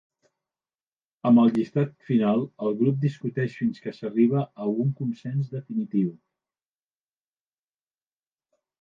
Amb el llistat final el grup discuteix fins que s'arriba a un consens definitiu.